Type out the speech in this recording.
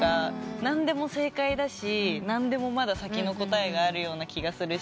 何でも正解だし何でもまだ先の答えがあるような気がするし。